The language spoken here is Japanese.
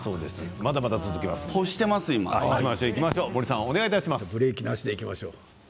まだまだ続きます。